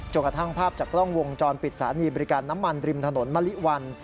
กระทั่งภาพจากกล้องวงจรปิดสถานีบริการน้ำมันริมถนนมะลิวัน